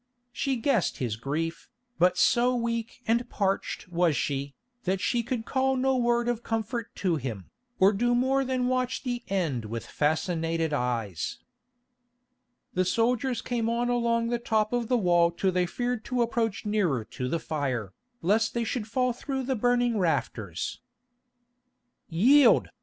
She guessed his grief, but so weak and parched was she, that she could call no word of comfort to him, or do more than watch the end with fascinated eyes. The soldiers came on along the top of the wall till they feared to approach nearer to the fire, lest they should fall through the burning rafters. "Yield!"